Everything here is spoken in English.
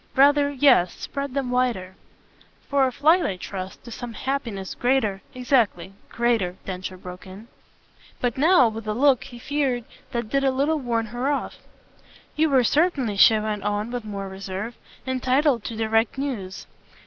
"Rather, yes spread them the wider." "For a flight, I trust, to some happiness greater !" "Exactly. Greater," Densher broke in; but now with a look, he feared, that did a little warn her off. "You were certainly," she went on with more reserve, "entitled to direct news.